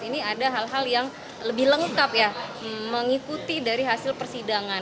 ini ada hal hal yang lebih lengkap ya mengikuti dari hasil persidangan